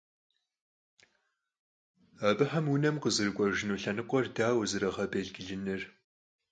Abıxem vunem khızerık'uejjınu lhenıkhuer daue zerağebêlcılınur?